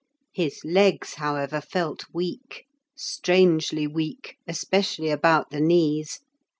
His legs, however, felt weak; strangely weak, especially about the knees.